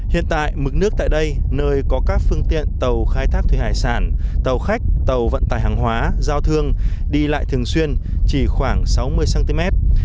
hiện tại mực nước tại đây nơi có các phương tiện tàu khai thác thủy hải sản tàu khách tàu vận tải hàng hóa giao thương đi lại thường xuyên chỉ khoảng sáu mươi cm